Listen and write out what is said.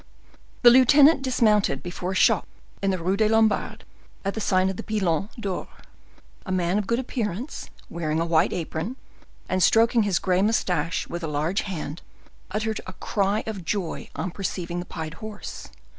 The lieutenant dismounted before a shop in the Rue des Lombards, at the sign of the Pilon d'Or. A man of good appearance, wearing a white apron, and stroking his gray mustache with a large hand, uttered a cry of joy on perceiving the pied horse.